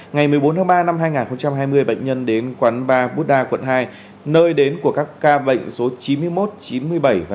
ngày một mươi bốn tháng ba năm hai nghìn hai mươi bệnh nhân đến quán ba búi đà quận hai nơi đến của các ca bệnh số chín mươi một chín mươi bảy và chín mươi tám